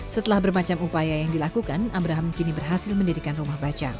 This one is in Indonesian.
setelah bermacam upaya yang dilakukan abraham kini berhasil mendirikan rumah baca